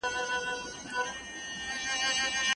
هغه مخکي لا د خپلو ملګرو ملامتیا په خورا سړه سینه هضم کړې وه.